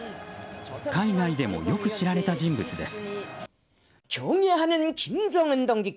海外でもよく知られた人物です。